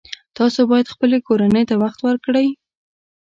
تاسو باید خپلې کورنۍ ته وخت ورکړئ